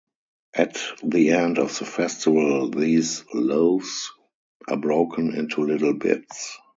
At the end of the festival, these loaves are broken into little bits.